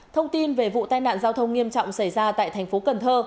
thông tin về vụ tai nạn giao thông nghiêm trọng xảy ra tại thành phố cần thơ